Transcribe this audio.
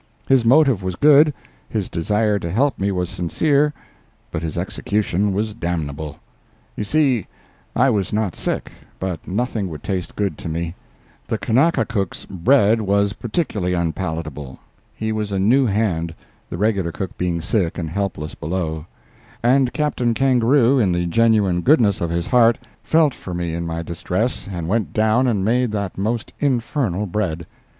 His motive was good, his desire to help me was sincere, but his execution was damnable. You see, I was not sick, but nothing would taste good to me; the Kanaka cook's bread was particularly unpalatable; he was a new hand—the regular cook being sick and helpless below—and Captain Kangaroo, in the genuine goodness of his heart, felt for me in my distress and went down and made that most infernal bread.